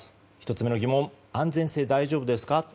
１つ目の疑問安全性、大丈夫ですか？